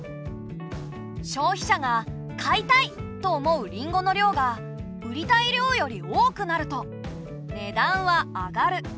消費者が「買いたい」と思うりんごの量が売りたい量より多くなると値段は上がる。